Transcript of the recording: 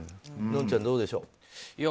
のんちゃん、どうでしょう。